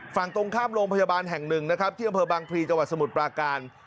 ฝั่งตรงข้ามโรงพยาบาลแห่งหนึ่งนะครับที่อำเภอบางพลีจังหวัดสมุทรปราการ